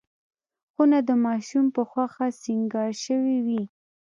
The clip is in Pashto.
خونه د ماشوم په خوښه سینګار شوې وي.